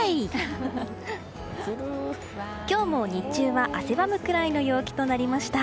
今日も日中は汗ばむくらいの陽気となりました。